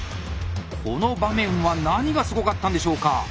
この場面は何がすごかったんでしょうか？